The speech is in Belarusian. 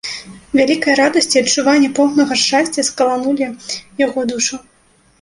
Вялікая радасць і адчуванне поўнага шчасця скаланулі яго душу.